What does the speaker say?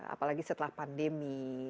apalagi setelah pandemi